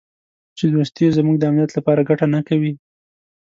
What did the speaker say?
چې دوستي یې زموږ د امنیت لپاره ګټه نه کوي.